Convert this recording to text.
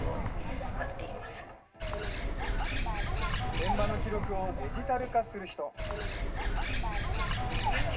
現場の記録をデジタル化する人。